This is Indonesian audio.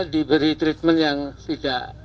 diberi treatment yang tidak